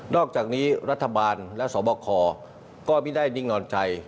อกจากนี้รัฐบาลและสวบคก็ไม่ได้นิ่งนอนใจ